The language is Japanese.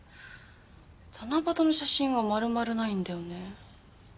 七夕の写真が丸々ないんだよね。